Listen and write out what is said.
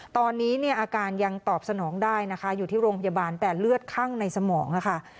ตอนนี้เนี่ยอาการยังตอบสนองได้นะคะอยู่ที่โรงพยาบาลแต่เลือดคั่งในสมองค่ะ